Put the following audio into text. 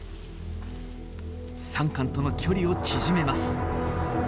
サンカンとの距離を縮めます。